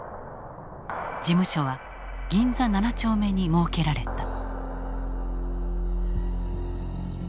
事務所は銀座７丁目に設けられた。